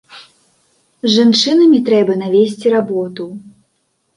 З жанчынамі трэба навесці работу.